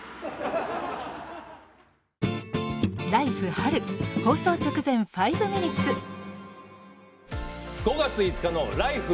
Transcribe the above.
春」放送直前「５ミニッツ」５月５日の「ＬＩＦＥ！